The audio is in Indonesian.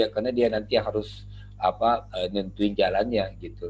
karena dia nanti harus nentuin jalannya